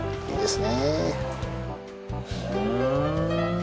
いいですね